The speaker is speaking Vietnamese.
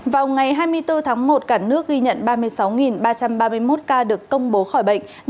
vào ngày hai mươi bốn tháng một cả nước ghi nhận ba mươi sáu ba trăm ba mươi một ca được công bố khỏi bệnh